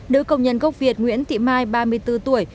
nữ công nhân gốc việt nguyễn thị mai ba mươi bốn tuổi